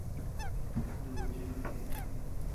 Nudii chinbaʼa ñeʼë.